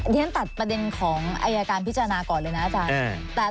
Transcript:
เรียนตัดประเด็นของอายการพิจารณาก่อนเลยนะอาจารย์